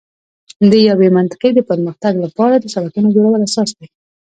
د یوې منطقې د پر مختګ لپاره د سړکونو جوړول اساس دی.